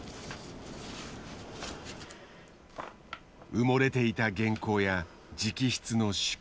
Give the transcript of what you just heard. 埋もれていた原稿や直筆の手記。